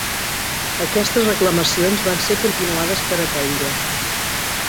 Aquestes reclamacions van ser continuades per Etteilla.